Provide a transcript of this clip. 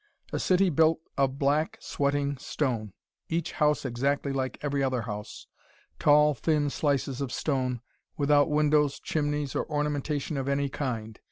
A city built of black, sweating stone, each house exactly like every other house: tall, thin slices of stone, without windows, chimneys or ornamentation of any kind.